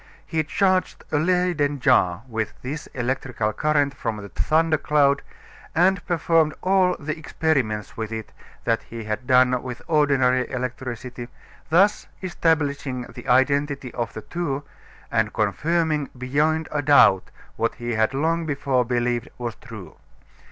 He charged a Leyden jar with this electrical current from the thunder cloud, and performed all the experiments with it that he had done with ordinary electricity, thus establishing the identity of the two and confirming beyond a doubt what he had long before believed was true.